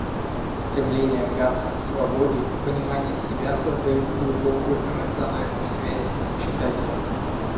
Стремление Гатса к свободе и понимание себя создают глубокую эмоциональную связь с читателем.